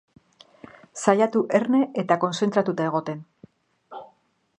Saiatu erne eta kontzentratuta egoten.